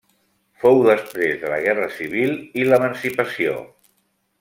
Fou després de la Guerra Civil i l'emancipació.